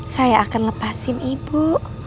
saya akan lepasin ibu